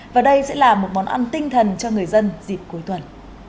và đây sẽ là một món ăn tinh thần cho người dân dịp cuối tuần